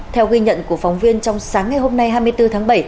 theo ghi nhận của phóng viên trong sáng ngày hôm nay hai mươi bốn tháng bảy